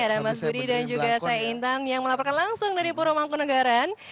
ada mas budi dan juga saya intan yang melaporkan langsung dari puro mangkunagaran